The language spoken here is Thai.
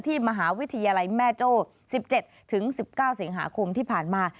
มหาวิทยาลัยแม่โจ้๑๗๑๙สิงหาคมที่ผ่านมา